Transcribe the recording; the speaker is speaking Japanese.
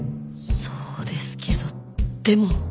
そうですけどでも